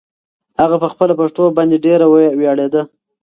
هغه په خپله پښتو باندې ډېره ویاړېده.